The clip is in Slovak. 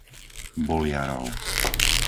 Boliarov